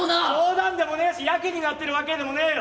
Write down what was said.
冗談でもねえしヤケになってるわけでもねえよ！